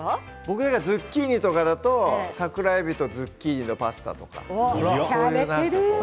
ズッキーニとかだと桜えびとズッキーニのパスタとか。